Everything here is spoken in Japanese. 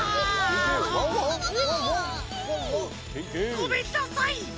ごめんなさい。